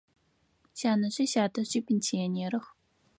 Сянэжъи сятэжъи пенсионерых.